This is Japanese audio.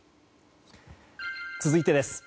続いてです。